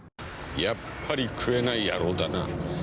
やっぱり食えない野郎だな。